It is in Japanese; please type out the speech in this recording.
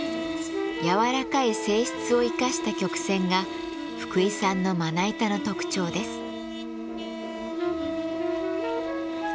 軟らかい性質を生かした曲線が福井さんのまな板の特徴です。